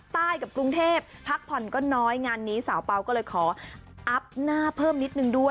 ใต้กับกรุงเทพพักผ่อนก็น้อยงานนี้สาวเปล่าก็เลยขออัพหน้าเพิ่มนิดนึงด้วย